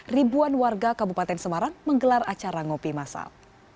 ribuan warga kabupaten semarang menggelar acara ngopi masal